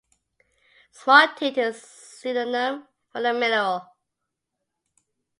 Smaltite is a synonym for the mineral.